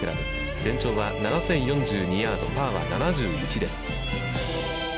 全長は７０４２ヤード、パーは７１です。